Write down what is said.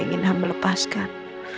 ingin ham melepaskan